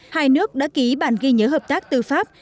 hai nước đã ký bản ghi nhớ hợp tác tư pháp